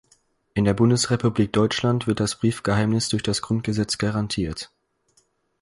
In der Bundesrepublik Deutschland wird das Briefgeheimnis durch des Grundgesetzes garantiert.